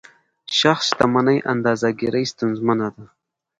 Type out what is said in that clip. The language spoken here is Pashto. شخص شتمني اندازه ګیري ستونزمنه ده.